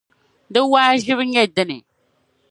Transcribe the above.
Di waaʒibu nye dini?